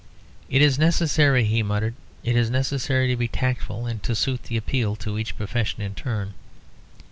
"It is necessary," he muttered "it is necessary to be tactful, and to suit the appeal to each profession in turn."